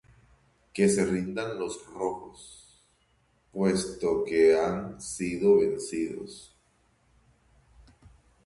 Que se rindan los rojos, puesto que han sido vencidos.